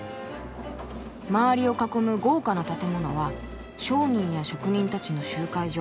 周りを囲む豪華な建物は商人や職人たちの集会所。